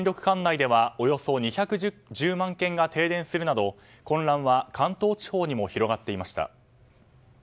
管内ではおよそ２１０万軒が停電するなど混乱は関東地方にも広がっていました。